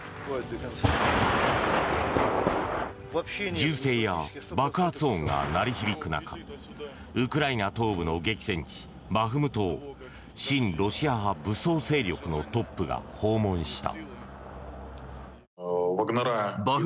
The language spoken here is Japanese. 銃声や爆発音が鳴り響く中ウクライナ東部の激戦地バフムトを親ロシア派武装勢力のトップが訪問した。